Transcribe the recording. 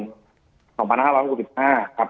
ก็คือว่าผู้ต้องหาถูกจับเมื่อวันที่๒๔พฤศจิกายน๒๕๖๕